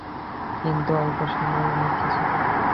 কিন্তু অল্প সময়েই অনেক কিছু বলে।